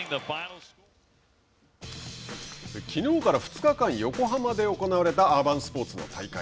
きのうから２日間横浜で行われたアーバンスポーツの大会。